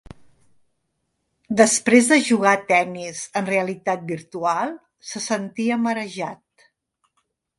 Després de jugar a tennis en realitat virtual, se sentia marejat.